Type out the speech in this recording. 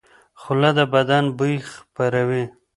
خوله د بدن بوی خپروي.